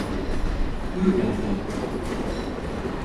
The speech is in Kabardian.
ГурыӀуэгъуэ?